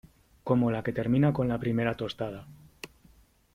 como la que termina con la primera tostada